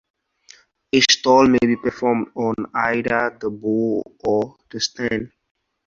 A stall may be performed on either the bow or the stern.